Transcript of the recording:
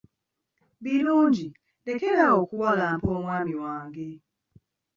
Birungi lekera awo okuwalampa omwami wange.